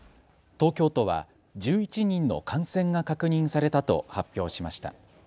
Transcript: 東京都は１１人の感染が確認されたと発表しました。